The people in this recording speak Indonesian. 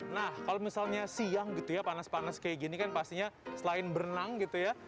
nah kalau misalnya siang gitu ya panas panas kayak gini kan pastinya selain berenang gitu ya